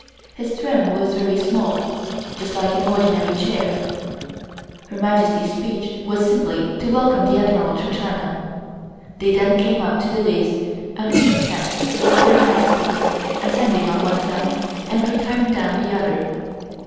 His throne was very small, just like an ordinary chair. Her Majesty's speech was simply to welcome the Admiral to China. They then came up to the dais and shook hands with their Majesties, ascending on one side, and retiring down the other.